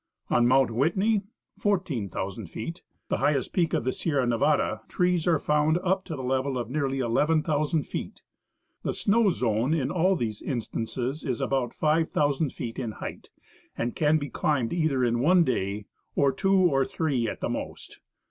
On Mount Whitney (14,000 feet), the highest peak of the Sierra Nevada, trees are found up to the level of nearly 1 1,000 feet. The snow zone in all these instances is about 5,000 feet in height, and can be climbed either in one day, or two or three at the most.